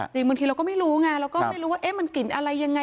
บางทีเราก็ไม่รู้ไงเราก็ไม่รู้ว่ามันกลิ่นอะไรยังไง